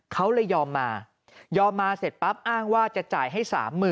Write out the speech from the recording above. เขาเลยยอมมายอมมาเสร็จปั๊บอ้างว่าจะจ่ายให้๓๐๐๐